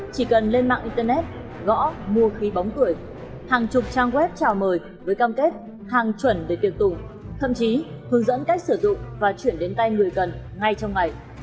chỉ cần lên mạng internet gõ mua khí bóng cười hàng chục trang web chào mời với cam kết hàng chuẩn để tiệc tùng thậm chí hướng dẫn cách sử dụng và chuyển đến tay người cần ngay trong ngày